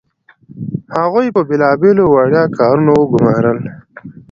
هغوی یې په بیلابیلو وړيا کارونو وګمارل.